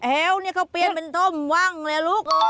แฮวนี่เขาเปลี่ยนเป็นทรงวังเลยลูก